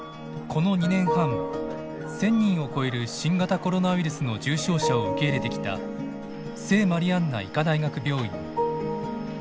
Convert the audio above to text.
この２年半１，０００人を超える新型コロナウイルスの重症者を受け入れてきた聖マリアンナ医科大学病院。